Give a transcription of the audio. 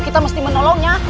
kita mesti menolongnya